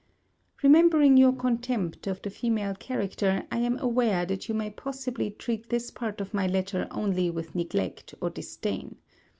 Remembering your contempt of the female character, I am aware that you may possibly treat this part of my letter only with neglect or disdain.